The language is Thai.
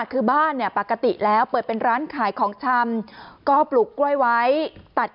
คือบ้านเนี่ยปกติแล้วเปิดเป็นร้านขายของชำก็ปลูกกล้วยไว้ตัด